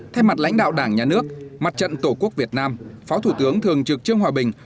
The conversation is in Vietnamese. thay mặt lãnh đạo đảng nhà nước mặt trận tổ quốc việt nam phó thủ tướng thường trực trương hòa bình